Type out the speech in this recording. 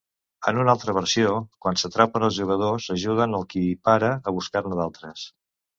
En una altra versió, quan s'atrapen els jugadors ajuden al qui para a buscar-ne d'altres.